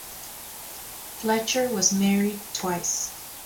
Fletcher was married twice.